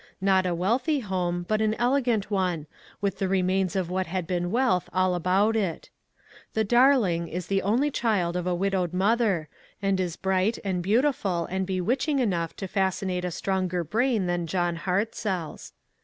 Not a wealthy home, but an elegant one, with the remains of what had been wealth all about it. The " darling " is the only child of a widowed mother, and is bright, and beauti ful, and bewitching enough to fascinate a stronger brain than John Hartzell's.